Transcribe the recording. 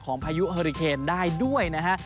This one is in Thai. พายุเฮอริเคนได้ด้วยนะฮะ